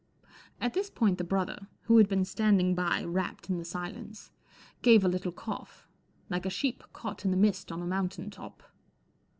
At this point the brother, who had been standing by wrapped in the silence, gave a little cough, like a sheep caught in the mist on a mountain top.